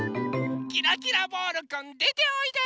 キラキラボールくんでておいで！